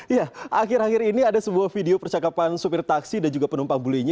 ya akhir akhir ini ada sebuah video percakapan sopir taksi dan juga penumpang bulinya